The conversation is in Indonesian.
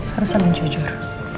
harus sama jujur